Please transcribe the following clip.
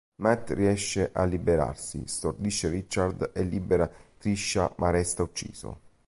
Matt riesce a liberarsi, stordisce Richard e libera Trisha ma resta ucciso.